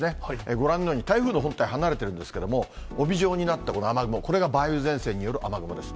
ご覧のように、台風の本体、離れてるんですけども、帯状になったこの雨雲、これが梅雨前線による雨雲です。